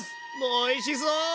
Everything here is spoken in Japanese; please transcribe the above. おいしそう！